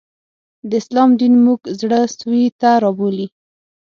د اسلام دین موږ زړه سوي ته رابولي